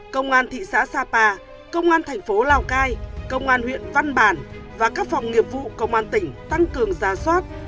công an thị xã sapa công an thành phố lào cai công an huyện văn bản và các phòng nghiệp vụ công an tỉnh tăng cường giá soát